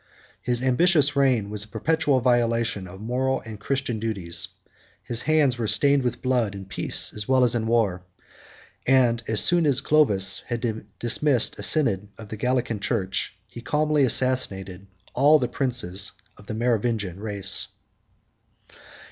His ambitious reign was a perpetual violation of moral and Christian duties: his hands were stained with blood in peace as well as in war; and, as soon as Clovis had dismissed a synod of the Gallican church, he calmly assassinated all the princes of the Merovingian race.